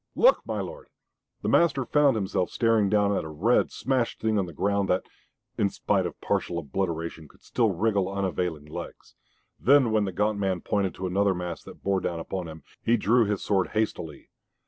"Look, my lord!" The master found himself staring down at a red, smashed thing on the ground that, in spite of partial obliteration, could still wriggle unavailing legs. Then when the gaunt man pointed to another mass that bore down upon them, he drew his sword hastily.